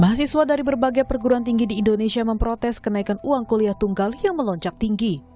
mahasiswa dari berbagai perguruan tinggi di indonesia memprotes kenaikan uang kuliah tunggal yang melonjak tinggi